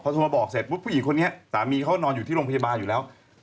โทรมาบอกเสร็จปุ๊บผู้หญิงคนนี้สามีเขานอนอยู่ที่โรงพยาบาลอยู่แล้ว